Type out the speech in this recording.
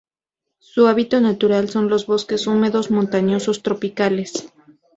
Su hábitat natural son los bosques húmedos montañosos tropicales.